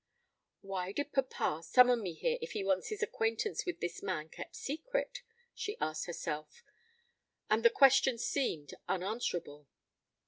"Why did papa summon me here if he wants his acquaintance with this man kept secret?" she asked herself; and the question seemed unanswerable.